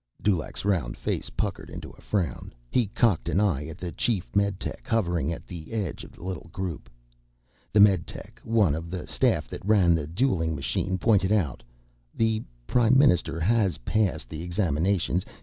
Dulaq's round face puckered into a frown. He cocked an eye at the chief meditech, hovering at the edge of the little group. The meditech, one of the staff that ran the dueling machine, pointed out, "The Prime Minister has passed the examinations.